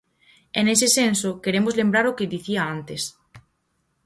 E nese senso queremos lembrar o que dicía antes.